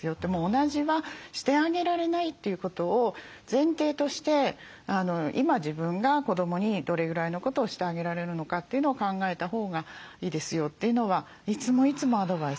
同じはしてあげられないということを前提として今自分が子どもにどれぐらいのことをしてあげられるのかというのを考えたほうがいいですよというのはいつもいつもアドバイスしています。